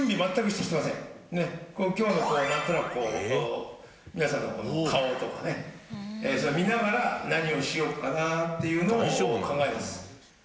今日のなんとなくこう皆さんの顔とかね見ながら何をしようかなっていうのを考えます。